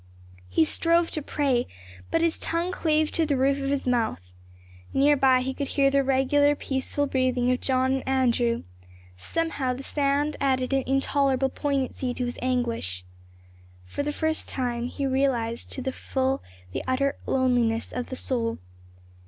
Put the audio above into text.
He strove to pray, but his tongue clave to the roof of his mouth. Near by he could hear the regular, peaceful breathing of John and Andrew; somehow the sound added an intolerable poignancy to his anguish. For the first time he realized to the full the utter loneliness of the soul.